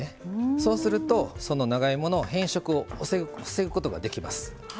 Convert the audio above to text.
そうすると、長芋の変色を防ぐことができます。